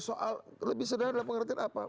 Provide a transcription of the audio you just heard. soal lebih sederhana dalam pengertian apa